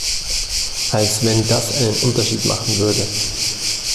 Als wenn das einen Unterschied machen würde!